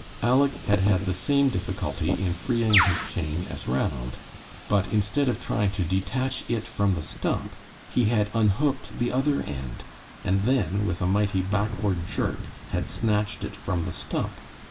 Aleck had had the same difficulty in freeing his chain as Ranald, but instead of trying to detach it from the stump, he had unhooked the other end, and then, with a mighty backward jerk, had snatched it from the stump.